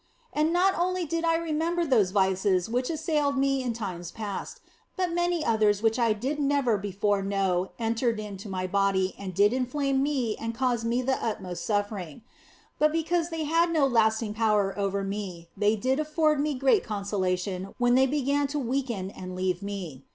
And not only did I remember those vices which assailed me in times past, but many others which I did never before know entered into my body and did inflame me and cause me the utmost suffering. But because they had no lasting power over me they did afford me great consolation when they began to weaken and leave me.